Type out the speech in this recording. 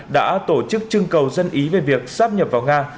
đã tổ chức trưng cầu dân ý về việc sắp nhập vào nga